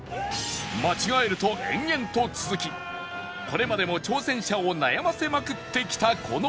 間違えると延々と続きこれまでも挑戦者を悩ませまくってきたこの旅